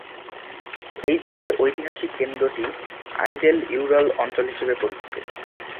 এই জেলার ঐতিহাসিক কেন্দ্রটি আইডেল-ইউরাল অঞ্চল হিসাবে পরিচিত।